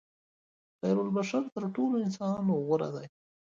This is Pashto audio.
خیرالبشر تر ټولو انسانانو غوره دي.